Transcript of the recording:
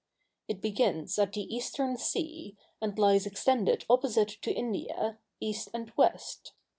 It begins at the Eastern sea, and lies extended opposite to India, east and west.